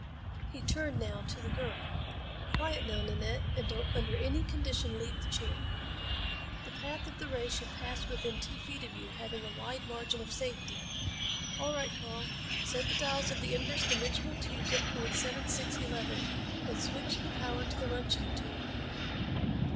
He turned now to the girl. "Quiet, now, Nanette, and don't under any condition leave the chair. The path of the ray should pass within two feet of you, having a wide margin of safety. All right, Karl. Set the dials of the inverse dimensional tubes at point seven six eleven, and switch the power to the Roentgen tube."